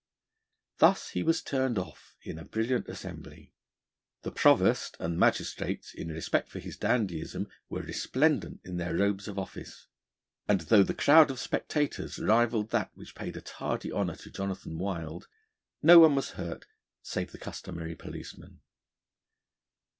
Thus he was turned off in a brilliant assembly. The Provost and Magistrates, in respect for his dandyism, were resplendent in their robes of office, and though the crowd of spectators rivalled that which paid a tardy honour to Jonathan Wild, no one was hurt save the customary policeman.